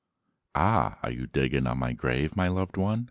"AH, are you digging on my grave, My loved one?